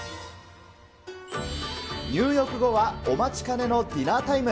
入浴後はお待ちかねのディナータイム。